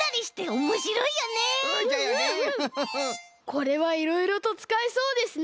これはいろいろとつかえそうですね。